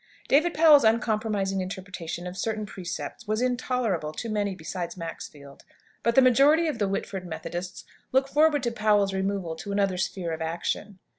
David Powell's uncompromising interpretation of certain precepts was intolerable to many besides Maxfield. But the majority of the Whitford Methodists looked forward to Powell's removal to another sphere of action.